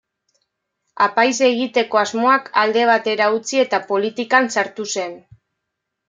Apaiz egiteko asmoak alde batera utzi eta politikan sartu zen.